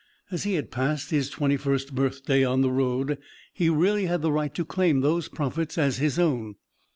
As he had passed his twenty first birthday on the road, he really had the right to claim these profits as his own.